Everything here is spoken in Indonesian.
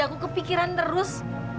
aku kepikiran terus